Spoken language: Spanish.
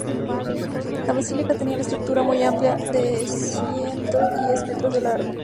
La basílica tenía la estructura muy amplia de ciento diez metros de largo.